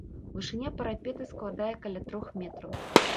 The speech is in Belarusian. Вышыня парапета складае каля трох метраў.